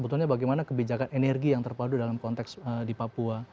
sebetulnya bagaimana kebijakan energi yang terpadu dalam konteks di papua